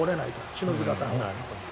篠塚さんが。